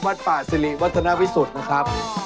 วัดป่าสิริวัฒนาวิสุทธิ์นะครับ